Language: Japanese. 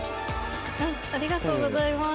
ありがとうございます。